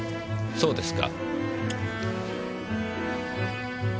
そうですか。